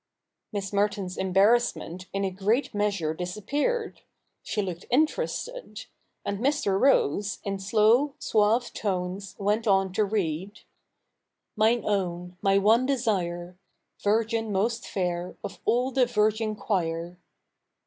Miss Merton's embarrassment in a great measure disappeared. She looked interested ; and Mr. Rose, in slow, suave tones went on to read :— Aline ozun, my one desire, Virgin most fair Of all the virgin choir!